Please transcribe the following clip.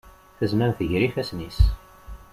Tazmamt gar yifassen-is.